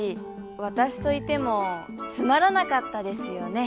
私といてもつまらなかったですよね？